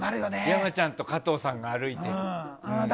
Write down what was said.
山ちゃんと加藤さんが歩いてるの。